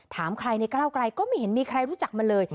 ถามใครในก้าวไกลก็ไม่เห็นมีใครรู้จักมันเลย